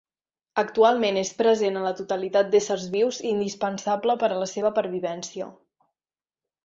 Actualment és present en la totalitat d'éssers vius i indispensable per a la seva pervivència.